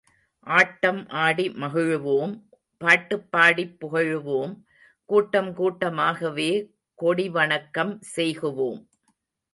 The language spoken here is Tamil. ஆட்டம் ஆடி மகிழுவோம் பாட்டுப் பாடிப் புகழுவோம் கூட்டம் கூட்ட மாகவே கொடி வணக்கம் செய்குவோம்!